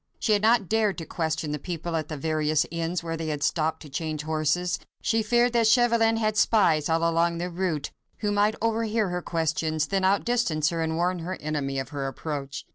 She had not dared to question the people at the various inns, where they had stopped to change horses. She feared that Chauvelin had spies all along the route, who might overhear her questions, then outdistance her and warn her enemy of her approach.